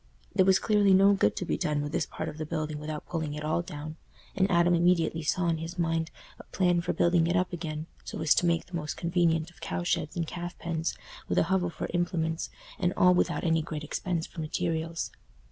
There was clearly no good to be done with this part of the building without pulling it all down, and Adam immediately saw in his mind a plan for building it up again, so as to make the most convenient of cow sheds and calf pens, with a hovel for implements; and all without any great expense for materials.